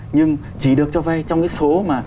nhưng chỉ được cho vay trong cái số mà